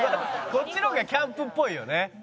こっちの方がキャンプっぽいよね。